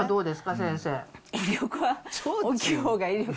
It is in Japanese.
先生。